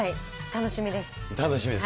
楽しみです。